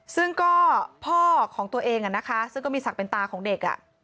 ซึ่งก็พ่อของตัวเองซึ่งก็มีศักดิ์เป็นตาของเด็ก